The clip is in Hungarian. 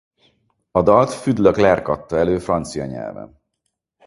A dalt Fud Leclerc adta elő francia nyelven.